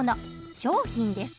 商品です。